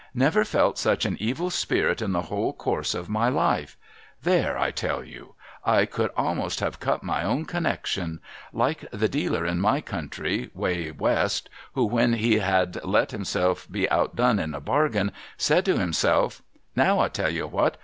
' Never felt such an evil spirit in the whole course of my life 1 250 A MESSAGE FROM THE SEA There ! I tell you 1 I could a'niost have cut my own connection. Like the dealer in my country, away West, who when lie had let liimself he outdone in a bargain, said to himself, " Now I tell you what